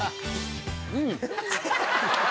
うん。